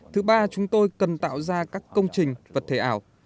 thứ ba chúng tôi cần tạo ra các công trình vật thể ảo